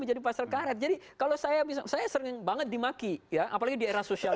menjadi pasal karet jadi kalau saya bisa saya sering banget dimaki ya apalagi di era sosial